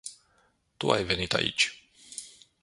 Tu ai venit aici.